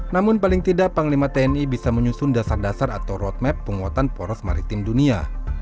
namun paling tidak panglima tni bisa menyusun dasar dasar atau roadmap penguatan poros maritim dunia